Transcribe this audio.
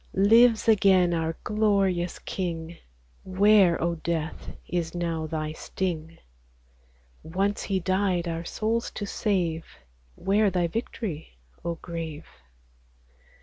Lives again our glorious King : Where, O death ! is now thy sting? Once he died our souls to save : Where thy victory, O grave